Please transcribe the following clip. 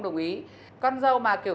tình trạng kìa